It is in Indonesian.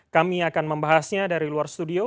kami akan membahasnya dari luar studio